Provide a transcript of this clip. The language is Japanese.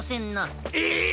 えっ！